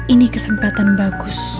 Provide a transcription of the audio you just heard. ini kesempatan bagus